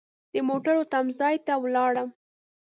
د موټرو تم ځای ته ولاړم.